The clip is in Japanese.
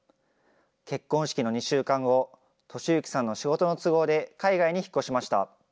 結婚式の２週間後、利之さんの仕事の都合で海外に引っ越しました。